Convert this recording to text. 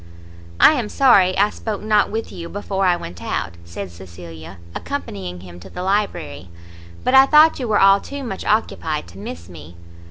"I am sorry I spoke not with you before I went out," said Cecilia, accompanying him to the library, "but I thought you were all too much occupied to miss me.